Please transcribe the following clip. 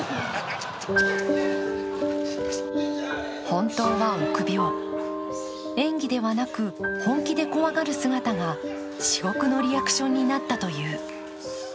本当は臆病、演技ではなく本気で怖がる姿が至極のリアクションになったという。